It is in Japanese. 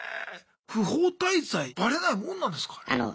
不法滞在バレないもんなんですかあれ。